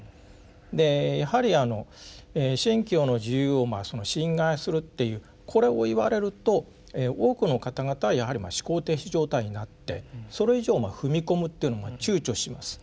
でやはり「信教の自由」を侵害するっていうこれを言われると多くの方々はやはりまあ思考停止状態になってそれ以上踏み込むっていうのをちゅうちょします。